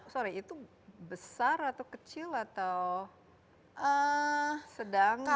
sorry itu besar atau kecil atau sedang